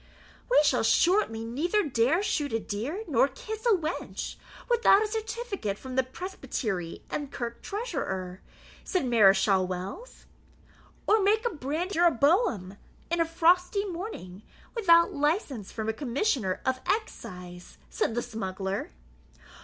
"We shall shortly neither dare shoot a deer nor kiss a wench, without a certificate from the presbytery and kirk treasurer," said Mareschal Wells. "Or make a brandy jeroboam in a frosty morning, without license from a commissioner of excise," said the smuggler.